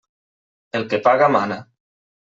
El que paga, mana.